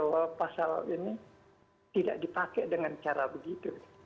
kembali soal penggunaan kembali soal rambu rambu lagi